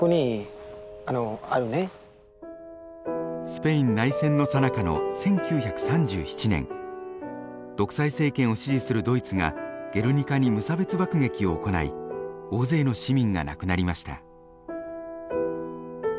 スペイン内戦のさなかの１９３７年独裁政権を支持するドイツがゲルニカに無差別爆撃を行い大勢の市民が亡くなりました。